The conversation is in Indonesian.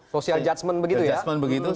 social judgement begitu ya